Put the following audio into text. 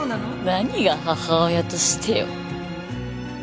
何が母親としてよ。